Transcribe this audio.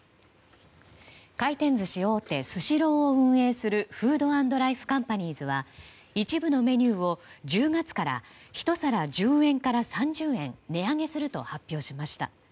回転ずし大手スシローを運営するＦＯＯＤ＆ＬＩＦＥＣＯＭＰＡＮＩＥＳは一部のメニューを１０月から１皿１０円から３０円値上げすると発表しました。